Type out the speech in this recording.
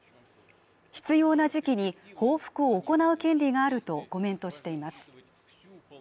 必要な時期に報復を行う権利があるとコメントしています。